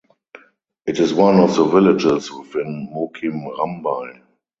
It is one of the villages within Mukim Rambai.